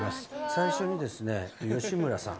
最初にですね、吉村さん。